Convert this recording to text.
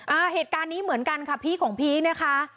อ่าเหตุการณ์นี้เหมือนกันค่ะพีคของพีคนะคะ